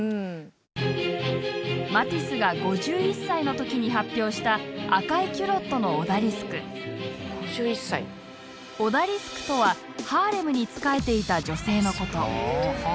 マティスが５１歳の時に発表したオダリスクとはハレムに仕えていた女性のこと。